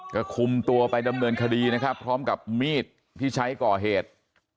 ก็คุมตัวไปดำเนินคดีนะครับพร้อมกับมีดที่ใช้ก่อเหตุ